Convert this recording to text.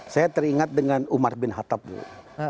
saya teringat dengan umar bin khattab dulu